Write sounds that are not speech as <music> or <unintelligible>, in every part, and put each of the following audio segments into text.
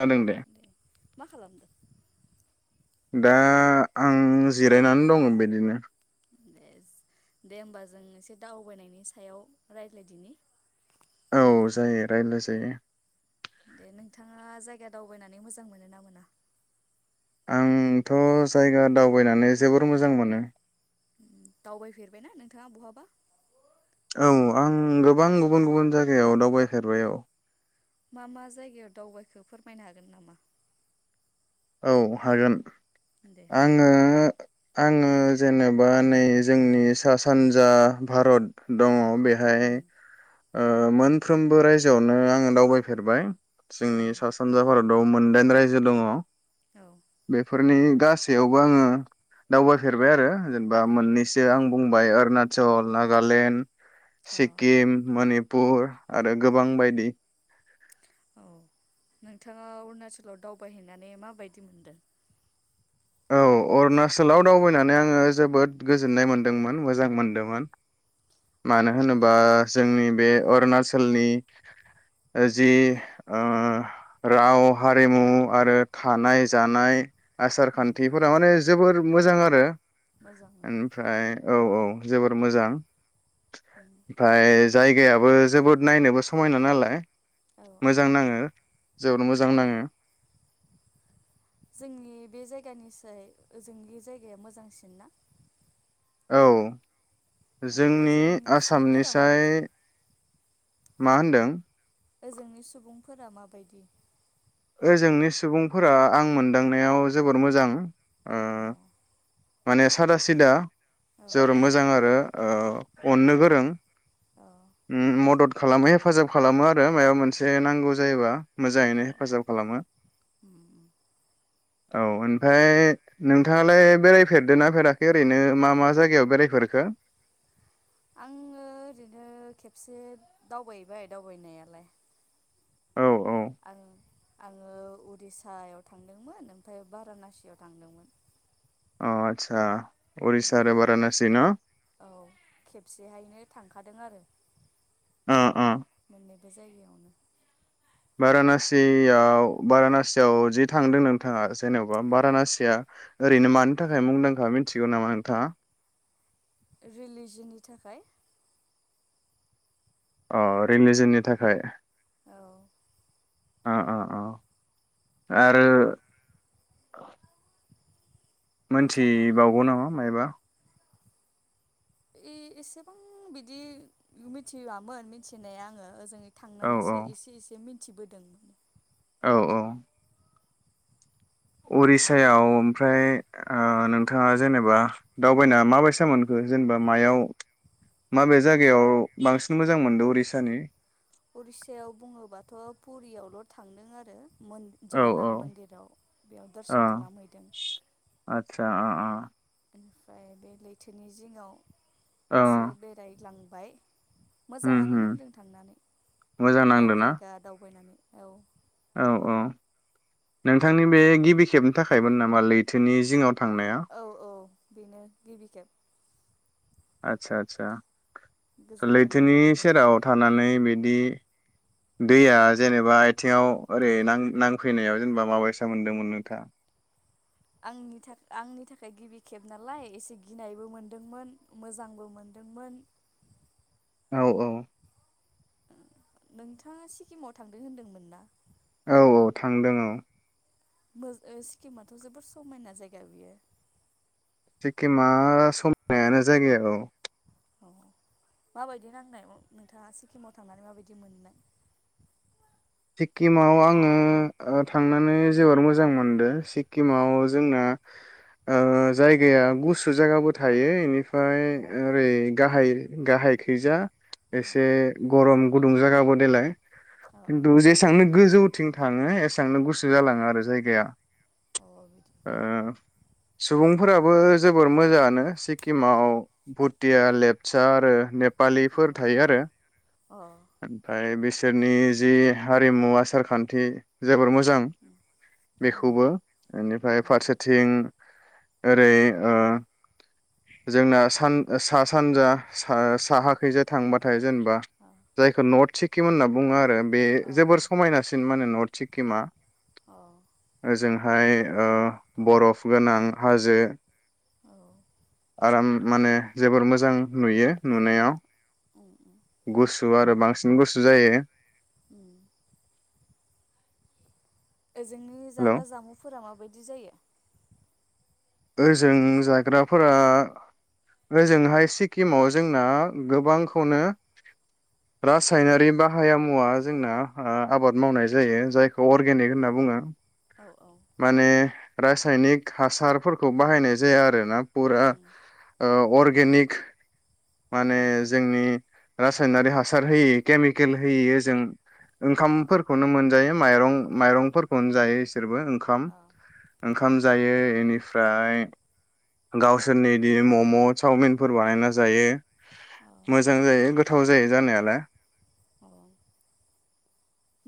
जादों दे मा खालामदो? दा आं जिरायनानै दंङ बिदिनो। दे होमबा जों एसे दावबायनायनि सायाव रायज्लायदिनि। औ जायो रायलाय जायो। दे नोंथाङा जायगा दावबायनानै मोजां मोनो ना मोना? आंथ' जायगा दावबायनानै जोबोर मोजां मोनो दावबायफेरबायना नोंथाङा बहाबा औ आं गोबां गुबुन गुबुन जायगायाव दावबायफेरबाय औ मा मा जायगायाव दावबायखो फोरमायनो हागोन नामा औ हागोन दे आंङो आङो जेनेबा नै जोंनि सा सानजा भारत दङ बेहाय उम ओ मोनफ्रोमबो रायजोआवनो आङो दावबायफेरबाय। औ जोंनि सा सानजा भारत द' मोनदाइन रायजो दङ। औ बेफार बेनि गासैयावबो आङो दावबायफेरबाय आरो। जेनेबा उम मोननैसो आं बुं मुम्बाइ अरुणाचल नागालेण्ड औ सिक्किम मानि पुर आरो गोबां बायदि। औ नोंथाङा अरुणाचलाव दावबायहैनानै माबायदि मोनदो? औ अरुणाचलाव दावबायनानै आङो जोबोद गोजोननाय मोनदोंमोन मोजां मोनदोमोन। मानो अ होनोबा जोंनि बे अरुणाचलनि ओ जि ओ राव हारिमु आरो थानाय जानाय आसार खान्थिफोरा माने जोबोर मोजां आरो। मोजां उम ओमफ्राय औ औ। जोबोर मोजां। होमफाय जायगायाबो जोबोद नायनोबो समायना नालाय औ औ मोजां नाङो। जोबोर मोजां औ नाङो। जोंनि बे जायगानिसै ओजोंनि जायगाया मोजांसिन ना? औ। ओ जोंनि ओजोंनि सुबुंफोरा आसामनिसाय माबायदि मा होनदों? फोरा माबायदि? ओजोंनि सुबुंफोरा आं मोनदांनायाव जोबोर मोजां। ओ अ माने सादा सिदा। औ जोबोर मोजां आरो। ओ अननो गोरों। औ ओम मदद खालामो हेफाजाब खालामो आरो मायाबा मोनसे नांगौ जायोबा। औ मोजाङैनो हेफाजाब खालामो। उम उम औ ओमफ्राय नोंथाङालाय बेराय फेरदोना फेराखै ओरैनो मा मा जायगायाव बेरायफोरखो? आङो ओरैनो खेबसे दावबायबाय दावबायनायालाय। औ औ आं आङो उरिसायाव थांदोंमोन ओमफ्राय बारानासियाव थांदोंमोन। अ आच्छा उरिसा आरो बेयाव बारानासि न? हादों आरो अ अ बे जायगायावनो बारानासियाव बारानासियाव जि थांदों नोंथाङा जेनेबा औ बारानासिया ओरैनो मानि थाखाय मुंदांखा मिथिगौ नामा नोंथाङा? रिलिजिननि थाखाय। रिलिजननि थाखाय औ अ अ अ आरो मोजाङानो मोनथिबावगौ नामा मायबा? यि एसेबां बिदि मिथियामोन मिथिनाया आङो ओजों औ थांनानैसो एसे एसे मि मिथिबोदोंमोन औ औ बेनो उरिसायाव आरो ओमफ्राय अ नोंथाङा जेनेबा दावबायनाय माबायसा मोनखो जेनेबा मायाव माबे जायगायाव बांसिन मोजां मोनदों उरिसानि? उरिस्सायाव बुङोबाथ' पुरियावल' थांदों आरो। औ औ जगन्नाथ मन्दिराव बेयाव दर्शन खालामहैदों। ओ आदसा अ ओमफ्राय बे लैथोनि जिङाव अ औ एसे बेरायग्लां ओमफ्राय उम मोजाङानो उम नांदों थांनानै मोजां गोदान नांदोंना जायगा दावबायनानै औ औ औ नोंथांनि बे गिबि खेबनि थाखायमोन नामा लैथोनि जिङाव? थांनाया औ औ बेनो गिबि खेब। आच्छा आच्छा गोजोननाय लैथोनि मोनदों आरो सेराव थांनानै थानानै बिदि दैया जेनेबा आथिङाव ओरै नां-नांफैनायाव जेनेबा माबायसा मोनदोंमोन नोंथांआ? आंनि थाखाय आंनि थाखाय गिबि खेब नालाय एसे गिनायबो मोनदोंमोन मोजांबो मोनदोंमोन। औ औ नोंथाङा सिक्किमाव थांदों होनदोंमोन ना? औ औ थांदों औ। मोज ओ सिक्किमाथ जोबोर समायना जायगा बियो। सिक्किमा समायनायानो जायगाया औ। अ माबायदि नांनाय नोंथाङा सिक्किमाव थांनानै माबायदि मोननाय? सिक्किमाव आङो ओ थांनानै जोबोर मोजां मोनदों सिक्किमाव जोंना ओ जायगाया गुसु जायगाबो थायो एनिफ्राय ओरै गाहाय गाहायखैजा अ एसे गरम गु दुंजागाबो देलाय। अ खिन्थु जेसांनो गोजौथिं थाङो ए सांनो गुसो उम जालाङो आरो जायगाया। अ बिदि ओ सुबुंफोराबो जोबोर मोजाङानो सिक्किमाव भुटिया लेपच आरो नेप फालिफोर थायो अ उम आरो अ ओमफ्राय बे <unintelligible> जि हारिमु आसारखान्थि जोबोर मोजा जां बेखौबो बेनिफ्राय फारसेथिं ओरै ओ जोंना सान सा सानजा सा साहाखैजाय थांबाथाय जेनेबा जायखौ नथसिक खिमोन होनना बुङो आरो बे अ जोबोर अ समायनासिन मानो नथ सिक्किमा अ ओ जों फाय ओ बरफ गोनां हाजो औ। आराम माने जोबोर मोजां नुयो नुनायाव <unintelligible> गुसु आरो बांसिन गुसु जायो। उम। ओजोंनि हेलौ जाग्रा जामुंफोरा माबायदि? बिदि जायो? ओजों जाग्राफोरा ओजोंहाय सिक्किमाव जोंना गोबांखौनो उम रासायनारि बाहाया मुवा जोंना ओ आबाद मावनाय जायो जायखौ अर्गेनिक होनना बुङो। औ औ माने रासायनिक हासारफोर खौ बाहायनाय जाया आरो ना फुरा उम ओ अर्ग गेनिक माने उम जोंनि रासायनारि हासार होयै केमिकेल होयि ओजों ओंखामफोरखौनो मोनजायो माइरं माइरंफोरखौनो जायो। इसोरबो ओंखाम अ ओंखाम जायो एनिफ फ्राय गावसोरनि इदि मम', चावमिनफोर बानायना जायो। अ मोजां जायो गोथाव जायो जानायालाय औ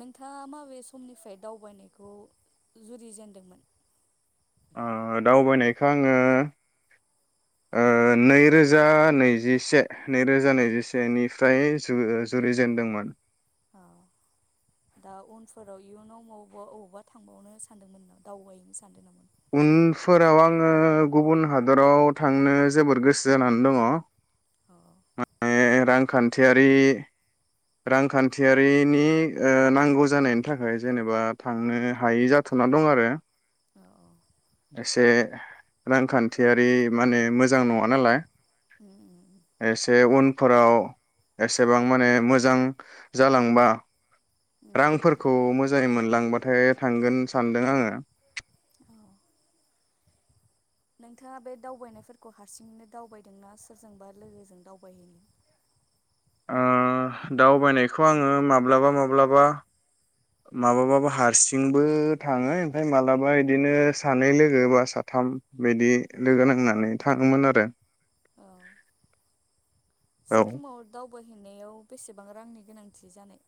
नोंथाङा माबे समनिफ्राय दावबायनायखौ जुरिजेेनदोंमोन? ओ दावबायनायखौ आङो ओ नैरोजा नैजिसे नैरोजा नैजिसेनिफ्राय जु ओ जुरिजेनदोंमोन औ दा उनफोराव इयुनाव मबबा अबावबा थांबावनो सानदोंमोनामा दावबायैनो सानदों नामा? उनफोराव आङो गुबुन हादराव थांनो जोबोद गोसो जानानै दङ अ ओ रांखान्थियारि रांखान्थियारिनि ओ नांगौ जानायनि थाखाय जेनेबा थांनो हायि जाथना दं आरो अ एसे रांखान्थियारि माने मोजां नङा नालाय उम एसे उन फोराव एसेबां माने मोजां जालांबा उम रांफोरखौ मोजाङै मोनलांबाथाय थांगोन सानदों आङो उम अ नोंथाङा बे दावबायनायफोरखौ हारसिङैनो दावबायदोंना सोरजोंबा लोगोजों दावबायहैनो ओ दावबायनायखौ आङो माब्लाबा माब्लाबा माब्लाबाबो हारसिंबो थाङो ओमफाय माब्लाबा बिदिनो सानै लोगो बा साथाम बिदि अ लोगो नांनानै थाङोमोन आरो औ सिकिमाव दाव बायहैनायाव बेसेबां रांनि गोनांथि जानाय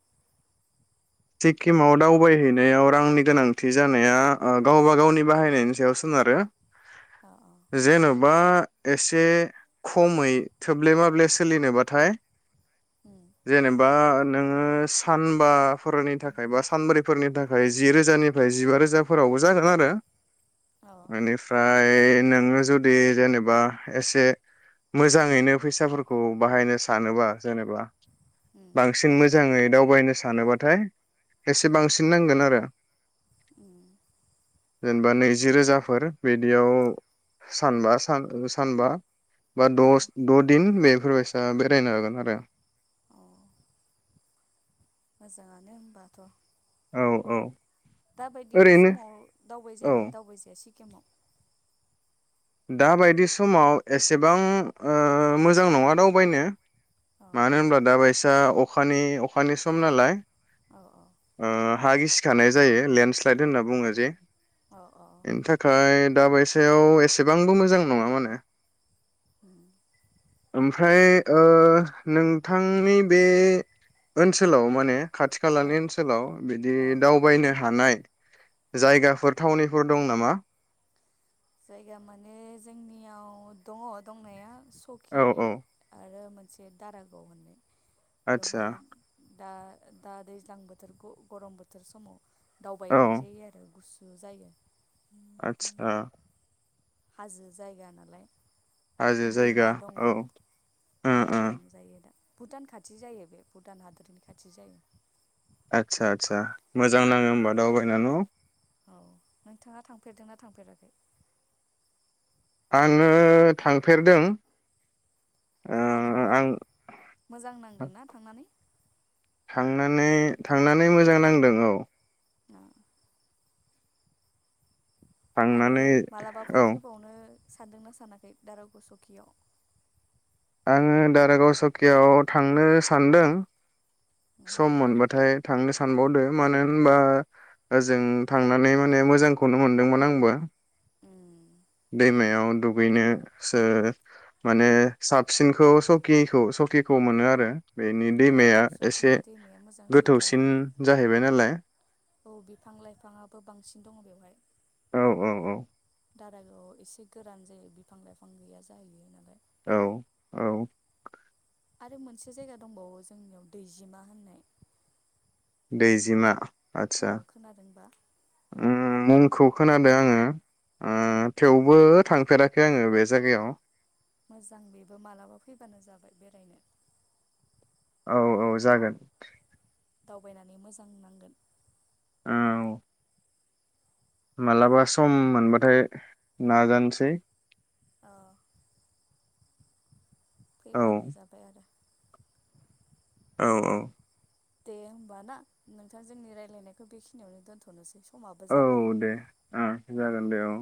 सिक्किमाव दावबायहैनायाव रांनि गोनांथि जानाया ओ गावबा गावनि बाहायनायनि सायाव सोनारो अ अ जेन बा एसे खमै थोब्ले माब्ले सोलिनोबाथाय उम जेनेबा नोङो सानबा फोरनि थाखाय बा सानब्रैफोरनि थाखाय जिरोजानिफ्राय जिबा रोजाफोरावबो जागोन आरो अ ओनिफ्राय ओइ नोङो जुदि जेनेबा एसे मोजाङैनो फैसाफोरखौ बाहायनो सानोबा जेनेबा उम बांसिन मो मोजाङै दावबायनो सानोबा थाय एसे उम बांसिन नांगोन आरो उम जेनेबा नैजि रोजाफोर बिदियाव सानबा सान ओ सानबा बा अ दस द दिन बे फोरबायसा बेरायनो हागोन आरो अ मोजाङानो होनबाथ औ औ दाबायदि ओरैनो समाव औ दावबायजायोना दावबाय जाया सि केमाव दाबायदि समाव एसेबां ओ मोजां नङा दावबायनो औ मानो होनब्ला दा बायस दा अखानि अखानि सम नालाय औ औ ओ हा गिसिखानाय जायो लेन्डस्लाइद होनना बुङो जे औ औ बेनि थाखाय दाबायसायाव एसे एसेबांबो मोजां नङा माने उम ओमफ्राय ओ नोंथांनि बे ओनसोलाव माने खाथि औ खालानि ओनसोलाव बिदि औ दावबायनो हानाय जायगाफोर थावनिफोर दं नामा? जायगा माने जोंनियाव दङ दंनाया। सकि औ औ आरो मोन से दारागाव होननाय। आदसा बेवहाय दा दा दैज्लां बोथोरखौ गरम बोथोर समाव औ दावबायहैजायो आरो गुसु जायो। आथसा। हाजो जायगा नालाय। हाजो जायगा दैमा दङ औ ओ ओ थांजायो दा। भुटान खाथि जायो बे भुटान हादोरनि खाथि जायो। आथसा आथसा। मोजां नाङो होमबा दावबायना न'? औ नोंथाङा थांफेरदोंना थांफेराखै? आङो थांफेरदों। ओ खोनादोंबा आं मोजां नांदोंना थांनानै? थांनानै थांनानै मोजां नांदों औ। उम। आरो थांनानै मालाबाफोर औ फैबावनो सानदोंना सानाखै दाराग' सकियाव? आङो दारागाव सकियाव थांनो सानदों सम मोनबाथाय थांनो सानबावदो मानो होनबा ओजों थांनानै माने मोजांखौनो मोनदोंमोन आंबो। दैमायाव दुगैनो सो माने साबसिनखौ सकिखौ सकिखौ मोनो आरो। बेनि औ औ दैमाया एसे सकिनि दैमाया मोजांसिन जायो गोथौसिन जाहैबाय नालाय औ बिफां लाइफाङाबो बांसिन दङ औ औ औ। दारागोआव एसे गोरान जायो बिफां लाइफां गैया जाहैयो नालाय। औ औ। आरो मोनसे जायगा दंबावो जोंनियाव दैजिमा होननाय। दैजिमा। आदसा औ खोनादोंबा उम मुंखौ खोनादो आङो ओ थेवबो थांफेराखै आङो बे जायगायाव मोजां बेबो मालाबा फैबानो जाबाय बेरायनो। औ औ जागोन। दावबायनानै मोजां नांगोन। औ। मालाबा सम मोनबाथाय नाजानोसै। औ फैबानो जाबाय आरो। औ औ दे होमबा ना नोंथां जोंनि रायलायनायखौ बेखिनियावनो दोनथ'नोसै स औ दे ओ जागोन दे औ।